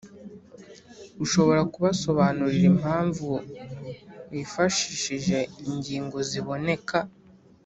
Ushobora Kubasobanurira Impamvu Wifashishije Ingingo Ziboneka